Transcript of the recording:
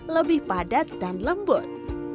lebih padat dan lembut